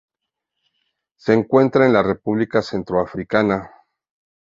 Se encuentra en la República Centroafricana.